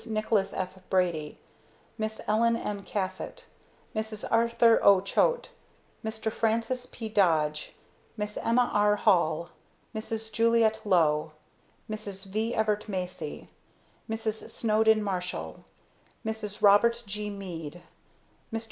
NICHOLAS F. BRADY MISS ELLEN M. CASSATT MRS. ARTHUR O. CHOATE MR. FRANCIS P. DODGE MISS EMMA R. HALL MRS. JULIETTE LOW MRS. V. EVERIT MACY MRS. SNOWDEN MARSHALL MRS. ROBERT G. MEAD MR.